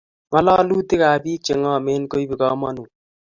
Kalalutik kab bik chengomen koibu kamanut